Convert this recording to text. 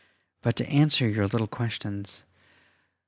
But to answer your little questions.